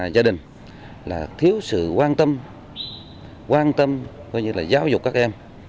gia đình là thiếu sự quan tâm quan tâm coi như là giáo dục các em